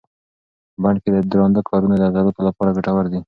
بڼ کې درانده کارونه د عضلاتو لپاره ګټور دي.